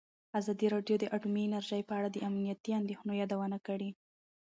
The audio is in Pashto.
ازادي راډیو د اټومي انرژي په اړه د امنیتي اندېښنو یادونه کړې.